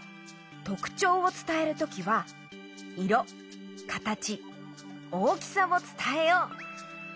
とくちょうをつたえるときはいろかたち大きさをつたえよう。